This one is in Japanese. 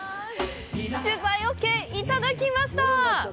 取材オーケー、いただきました！